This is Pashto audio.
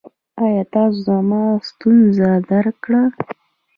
ایا تاسو زما ستونزه درک کړه؟